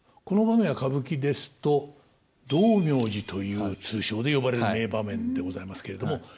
この場面は歌舞伎ですと「道明寺」という通称で呼ばれる名場面でございますけれども。